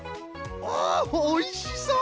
おおおいしそう！